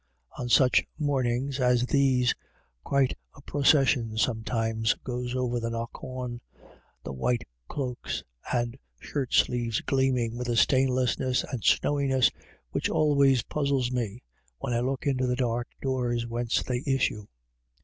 On such mornings as these, quite a procession sometimes goes over the knock awn, the white cloaks and the shirtsleeves gleam ing with a stainlessness and snowiness which always puzzles me, when I look into the dark doors whence they issue.